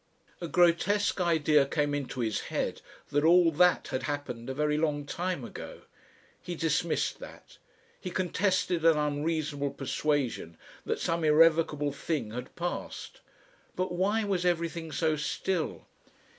A grotesque idea came into his head that all that had happened a very long time ago. He dismissed that. He contested an unreasonable persuasion that some irrevocable thing had passed. But why was everything so still?